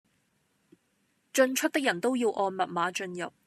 進出的人都要按密碼進入